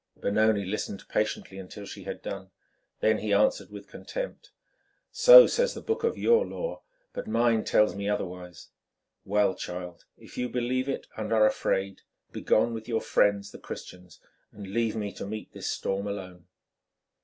Benoni listened patiently until she had done. Then he answered with contempt: "So says the book of your Law, but mine tells me otherwise. Well, child, if you believe it and are afraid, begone with your friends, the Christians, and leave me to meet this storm alone."